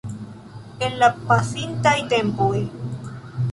En la pasintaj tempoj.